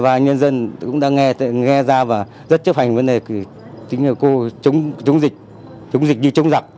và nhân dân cũng đã nghe ra và rất chấp hành vấn đề chính là cô chống dịch chống dịch như chống giặc